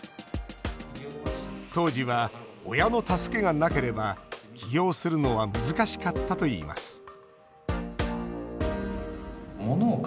当時は、親の助けがなければ起業するのは難しかったといいます